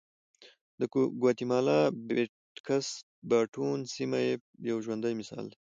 د ګواتیمالا پټېکس باټون سیمه یې یو ژوندی مثال دی